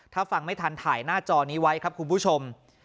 ถ้าฟังไม่ทันถ่ายหน้าจอนี้ไว้ครับคุณผู้ชม